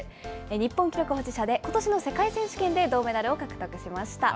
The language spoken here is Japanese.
日本記録保持者で、ことしの世界選手権で銅メダルを獲得しました。